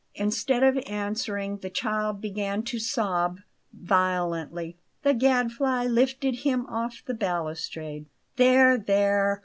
Instead of answering, the child began to sob violently. The Gadfly lifted him off the balustrade. "There, there!